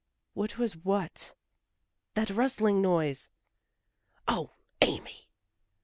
"What was what?" "That rustling noise." "O, Amy!"